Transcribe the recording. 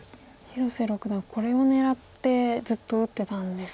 広瀬六段これを狙ってずっと打ってたんですか。